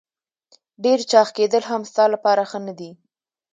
ډېر چاغ کېدل هم ستا لپاره ښه نه دي.